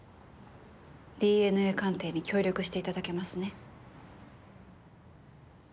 ＤＮＡ鑑定に協力して頂けますね？